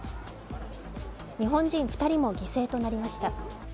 日本人２人も犠牲となりました。